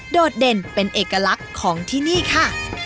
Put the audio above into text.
โดดเด่นเป็นเอกลักษณ์ของที่นี่ค่ะ